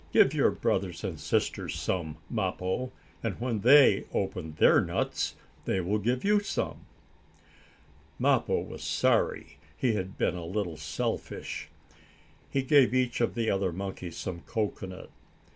"Give your brothers and sisters some, Mappo, and when they open their nuts, they will give you some." Mappo was sorry he had been a little selfish. He gave each of the other monkeys some cocoanut. Mrs.